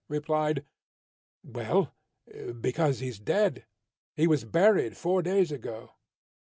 replied, "Well, because he is dead! he was buried four days ago."